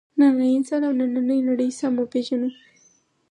نننی انسان او نننۍ نړۍ سم وپېژنو.